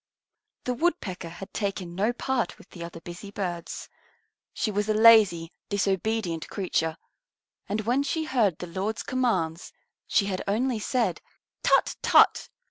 The Woodpecker had taken no part with the other busy birds. She was a lazy, disobedient creature, and when she heard the Lord's commands she had only said, "Tut tut!"